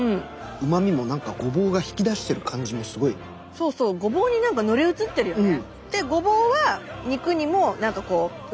そうそうごぼうに何か乗り移ってるよね。